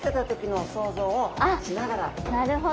なるほど。